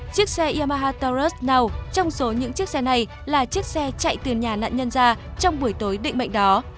chiếc xe yamahawus nào trong số những chiếc xe này là chiếc xe chạy từ nhà nạn nhân ra trong buổi tối định mệnh đó